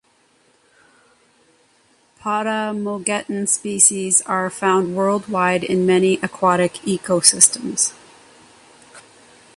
"Potamogeton" species are found worldwide in many aquatic ecosystems.